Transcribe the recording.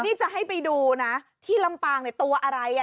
นี่จะให้ไปดูนะที่ลำปางเนี่ยตัวอะไรอ่ะ